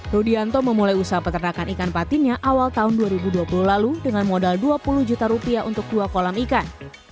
rudianto memulai usaha peternakan ikan patinnya awal tahun dua ribu dua puluh lalu dengan modal dua puluh juta rupiah untuk dua kolam ikan